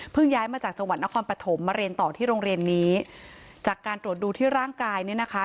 ย้ายมาจากจังหวัดนครปฐมมาเรียนต่อที่โรงเรียนนี้จากการตรวจดูที่ร่างกายเนี่ยนะคะ